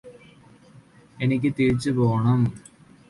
എനിക്ക് തിരിച്ച് പോണം